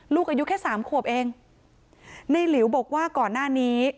ลูกอายุแค่สามขวบเองในหลิวบอกว่าก่อนหน้านี้